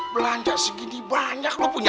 belanja segini banyak lo punya